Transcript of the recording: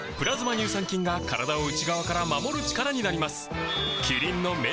乳酸菌が体を内側から守る力になります